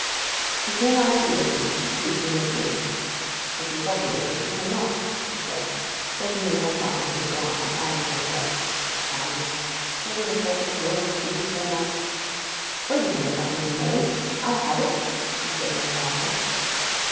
He came round to the opening, stooped, and looked in. 'It is obvious that you cannot,' he said, taking in her compass at a glance; and adding to himself; 'Charming! who would have thought that clothes could do so much!—Wait a minute, my little maid: I have it!' he said more loudly.